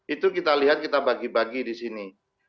itu kita lihat kita bagi bagi di sini